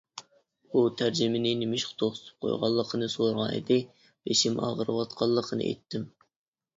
ئۇ تەرجىمىنى نېمىشقا توختىتىپ قويغانلىقىنى سورىغانىدى، بېشىم ئاغرىۋاتقانلىقىنى ئېيتتىم.